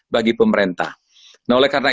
bagi pemerintah nah oleh karena